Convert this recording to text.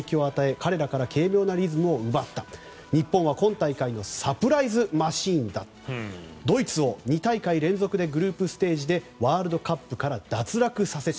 彼らから軽妙なリズムを奪った日本は今大会のサプライズマシンだドイツを２大会連続でグループステージでワールドカップから脱落させた。